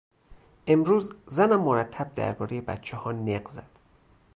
امروز زنم مرتب دربارهی بچهها نق زد.